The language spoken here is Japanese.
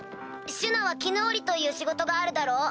シュナは絹織りという仕事があるだろ？